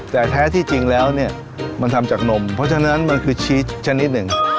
แต่แท้ที่จริงแล้วเนี่ยมันทำจากนมเพราะฉะนั้นมันคือชีสชนิดหนึ่ง